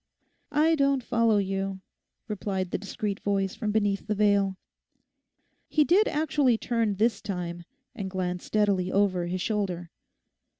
'I don't follow you,' replied the discreet voice from beneath the veil. He did actually turn this time and glance steadily over his shoulder.